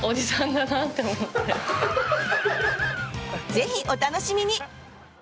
ぜひお楽しみに！